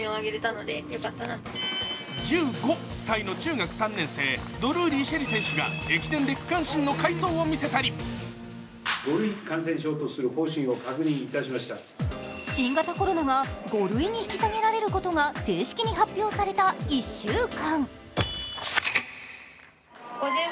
１５歳の中学３年生、ドルーリー朱瑛里選手が駅伝で区間新の快走を見せたり新型コロナが５類に引き下げられることが正式に発表された１週間。